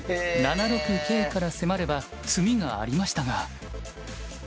７六桂から迫れば詰みがありましたが。